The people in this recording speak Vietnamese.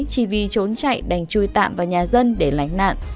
chỉ vì trốn chạy đành chui tạm vào nhà dân để lánh nạn